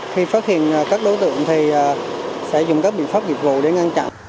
khi phát hiện các đối tượng thì sẽ dùng các biện pháp nghiệp vụ để ngăn chặn